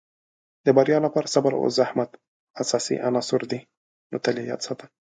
د بریا لپاره صبر او زحمت اساسي عناصر دي، نو تل یې یاد ساته.